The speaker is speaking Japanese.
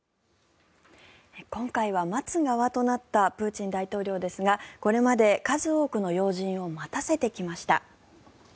今回は待つ側となったプーチン大統領ですがこれまで数多くの要人を待たせてきました。